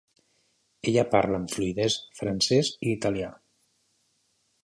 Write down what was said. Ella parla amb fluïdesa francès i italià.